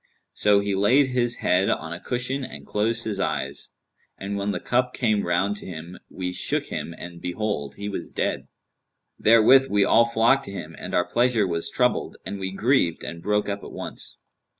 So he laid his head on a cushion and closed his eyes; and when the cup came round to him, we shook him and behold, he was dead.[FN#191] Therewith we all flocked to him, and our pleasure was troubled and we grieved and broke up at once.